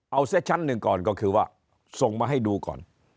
เอาเสียชั้นหนึ่งก่อนก็คือว่าส่งมาให้ดูก่อน